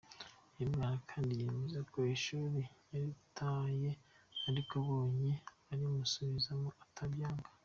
Uyu mwana kandi yemeza ko ishuri yaritaye ariko abonye urimusubizamo atabyanga.